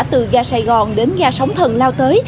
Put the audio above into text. từ ga sài gòn đến ga sóng thần lao tới